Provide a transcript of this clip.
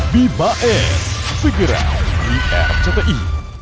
bibae figurant di rcti